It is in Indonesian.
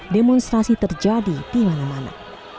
demonstrasi terjadi di mana mana